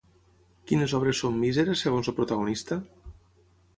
Quines obres són míseres segons el protagonista?